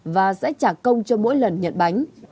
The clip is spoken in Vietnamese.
và sẽ trả công cho mỗi lần nhận bánh